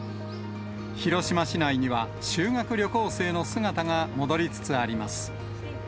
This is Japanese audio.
広島市内には、修学旅行生の姿が戻りつつあります。